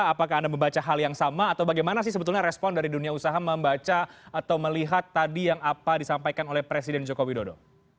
apakah anda membaca hal yang sama atau bagaimana sih sebetulnya respon dari dunia usaha membaca atau melihat tadi yang apa disampaikan oleh presiden joko widodo